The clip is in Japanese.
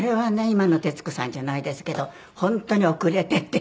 今の徹子さんじゃないですけど本当に遅れてて。